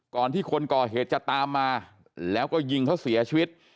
ที่คนก่อเหตุจะตามมาแล้วก็ยิงเขาเสียชีวิต